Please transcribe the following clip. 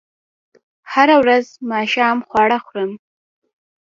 هره ورځ ماښام خواړه خورم